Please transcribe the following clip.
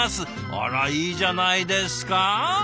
あらいいじゃないですか。